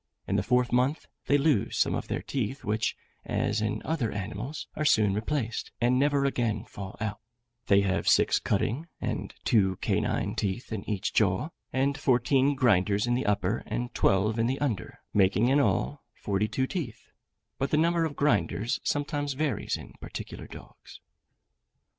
In the fourth month, they lose some of their teeth, which, as in other animals, are soon replaced, and never again fall out: they have six cutting and two canine teeth in each jaw, and fourteen grinders in the upper, and twelve in the under, making in all forty two teeth; but the number of grinders sometimes varies in particular dogs.